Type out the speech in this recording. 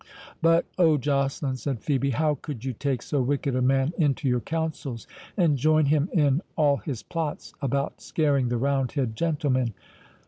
"But, oh, Joceline," said Phœbe, "how could you take so wicked a man into your counsels, and join him in all his plots about scaring the roundhead gentlemen?"